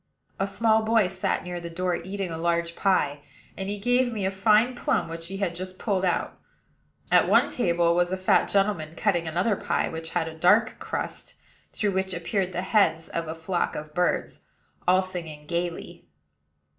A small boy sat near the door, eating a large pie; and he gave me a fine plum which he had just pulled out. At one table was a fat gentleman cutting another pie, which had a dark crust, through which appeared the heads of a flock of birds, all singing gayly.